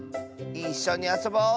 いっしょにあそぼう！